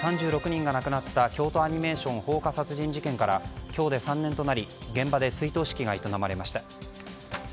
３６人が亡くなった京都アニメーション放火殺人事件から今日で３年となり現場で追悼式が営まれました。